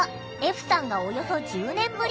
歩さんがおよそ１０年ぶり。